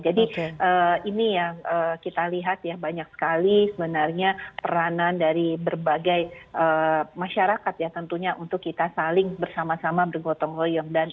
jadi ini yang kita lihat ya banyak sekali sebenarnya peranan dari berbagai masyarakat ya tentunya untuk kita saling bersama sama bergotong goyong